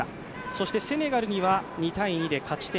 そして、セネガルには２−２で勝ち点１。